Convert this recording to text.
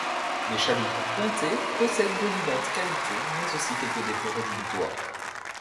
Les chaloupes pontées possèdent d’évidentes qualités, mais aussi quelques défauts rédhibitoires.